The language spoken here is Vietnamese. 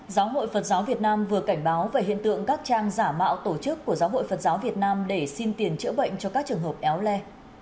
giáo hội phật giáo việt nam vừa cảnh báo về hiện tượng các trang giả mạo tổ chức của giáo hội phật giáo việt nam để xin tiền chữa bệnh cho các trường hợp éo le